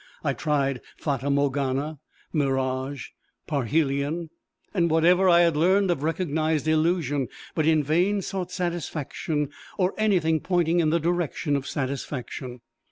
I tried fata morgana, mirage, parhelion, and whatever I had learned of recognized illusion, but in vain sought satisfaction, or anything pointing in the direction of satisfaction.